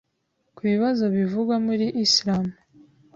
ku bibazo bivugwa muri Islam,